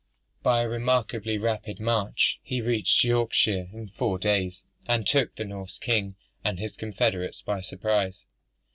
By a remarkably rapid, march, he reached Yorkshire in four days, and took the Norse king and his confederates by surprise.